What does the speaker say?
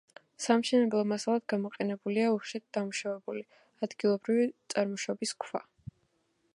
სამშენებლო მასალად გამოყენებულია უხეშად დამუშავებული, ადგილობრივი წარმოშობის ქვა.